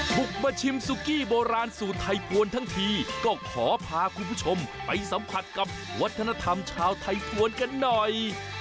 บุกมาชิมซุกี้โบราณสูตรไทยพวนทั้งทีก็ขอพาคุณผู้ชมไปสัมผัสกับวัฒนธรรมชาวไทยภวรกันหน่อย